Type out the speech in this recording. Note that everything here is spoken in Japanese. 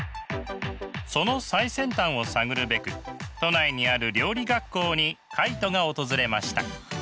その最先端を探るべく都内にある料理学校にカイトが訪れました。